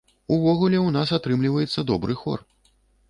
Увогуле, у нас атрымліваецца добры хор.